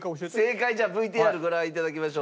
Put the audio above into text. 正解じゃあＶＴＲご覧頂きましょう。